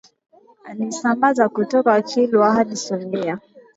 Aliisambaza kutoka Kilwa hadi Songea